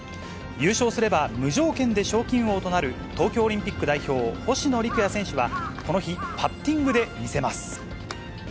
優勝すれば無条件で賞金王となる、東京オリンピック代表、星野陸也選手は、この日、パッティングで見せます。